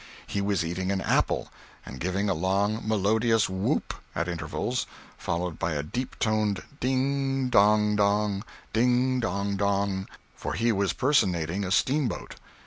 He was eating an apple, and giving a long, melodious whoop, at intervals, followed by a deep toned ding dong dong, ding dong dong, for he was personating a steamboat.